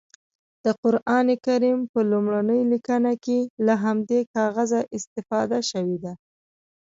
د قرانکریم په لومړنۍ لیکنه کې له همدې کاغذه استفاده شوې ده.